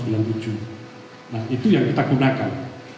nah itu yang kita gunakan